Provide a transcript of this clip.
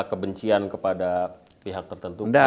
kebencian kepada pihak tertentu